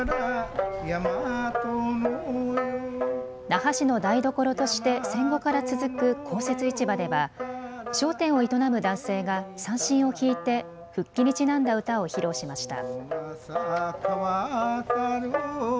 那覇市の台所として戦後から続く公設市場では商店を営む男性が三線を弾いて復帰にちなんだ歌を披露しました。